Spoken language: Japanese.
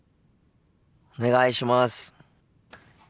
お願いします。